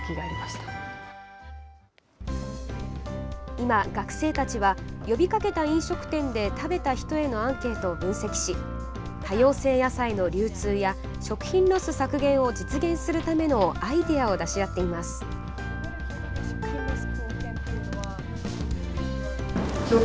今、学生たちは呼びかけた飲食店で食べた人へのアンケートを分析し多様性野菜の流通や食品ロス削減を実現するためのアイデアを出し合っています。